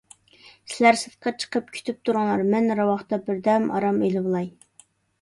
سىلەر سىرتقا چىقىپ كۈتۈپ تۇرۇڭلار، مەن راۋاقتا بىردەم ئارام ئېلىۋالاي.